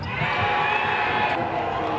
หลับหลับ